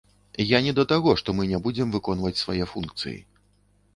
Я не да таго, што мы не будзем выконваць свае функцыі.